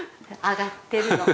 あがってるの。